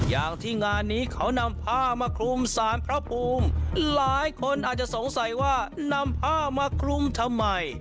อย่างที่งานนี้เขานำผ้ามาคลุมสารพระภูมิหลายคนอาจจะสงสัยว่านำผ้ามาคลุมทำไม